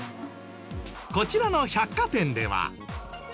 こちらの百貨店では。